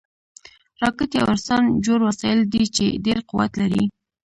راکټ یو انسانجوړ وسایل دي چې ډېر قوت لري